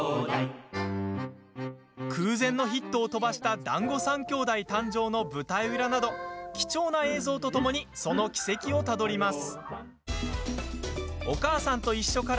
空前のヒットを飛ばした「だんご３兄弟」誕生の舞台裏など貴重な映像とともにその軌跡をたどります。